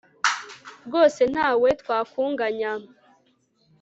rwose, nta we twakunganya